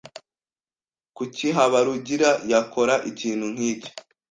Kuki Habarugira yakora ikintu nkicyo?